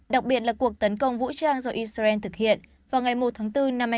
đặc biệt là cuộc tấn công vũ trang do israel thực hiện vào ngày một tháng bốn năm hai nghìn hai mươi